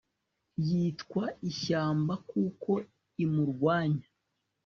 yitwa ishyamba kuko imurwanya